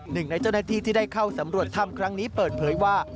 หนึ่งในเจ้าหน้าที่ที่ได้เข้าสำรวจถ้ำครั้งนี้เปิดเผยว่า